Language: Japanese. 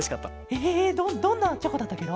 ええどどんなチョコだったケロ？